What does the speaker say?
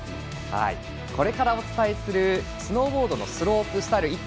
これからお伝えするスノーボード・スロープスタイル